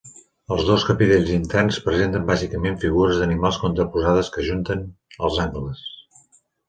Els dos capitells interns presenten bàsicament figures d'animals contraposades que ajunten els angles.